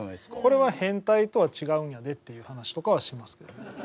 これは変態とは違うんやでっていう話とかはしますけどね。